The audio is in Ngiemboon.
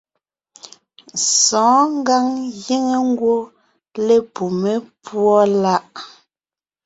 Sɔ̌ɔn ngǎŋ giŋ ngwɔ́ lepumé púɔ láʼ.